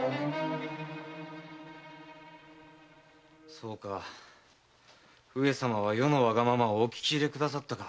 そうか余のわがままを上様はお聞き入れくださったか。